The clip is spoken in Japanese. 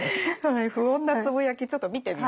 はい不穏なつぶやきちょっと見てみましょうね。